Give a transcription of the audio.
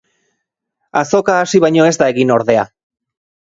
Azoka hasi baino ez da egin, ordea.